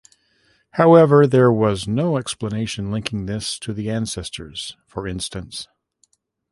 However, there was no explanation linking this to the ancestors, for instance.